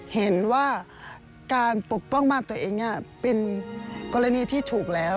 เห็นว่าการปกป้องบ้านตัวเองเป็นกรณีที่ถูกแล้ว